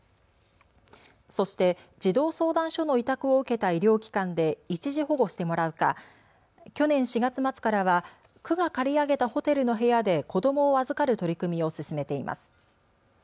そして、児童相談所の委託を受けた医療機関で一時保護してもらうか、去年４月末からは区が借り上げたホテルの部屋で子どもを預かる取り組みを進めています。